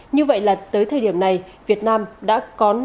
như vậy là tới thời điểm này việt nam đã có